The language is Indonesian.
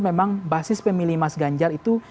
memang basis pemilih mas ganjar itu